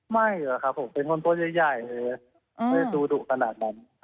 ไม่เหรอครับผมเป็นคนตัวใหญ่เลยไม่ได้ดูดุขนาดนั้น